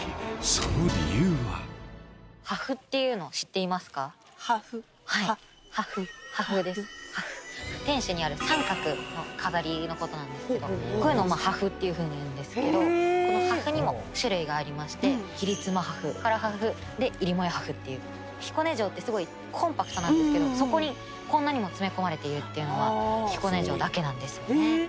その理由ははい破風です天守にある三角の飾りのことなんですけどこういうのを破風っていうふうにいうんですけどへえこの破風にも種類がありまして切妻破風唐破風で入母屋破風っていう彦根城ってすごいコンパクトなんですけどそこにこんなにも詰め込まれているっていうのは彦根城だけなんですよねえっ！？